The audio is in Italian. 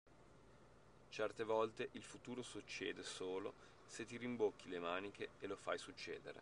Certe volte il futuro succede solo se ti rimbocchi le maniche e lo fai succedere.